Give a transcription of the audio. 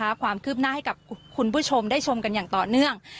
ความคืบหน้าให้กับคุณผู้ชมได้ชมกันอย่างต่อเนื่อง